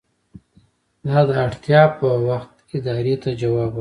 دا د اړتیا په وخت ادارې ته ځواب وايي.